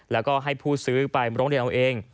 แล้วก็ให้ผู้ซื้อไปร้องเรียนเอาเอง